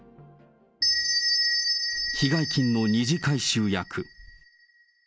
被害金の二次回収役。